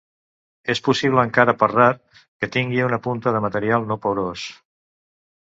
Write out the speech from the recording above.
És possible, encara que rar, que tingui una punta de material no porós.